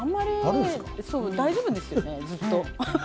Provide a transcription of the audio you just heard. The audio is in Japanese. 大丈夫です、ずっと。